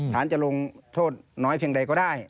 จะลงโทษน้อยเพียงใดก็ได้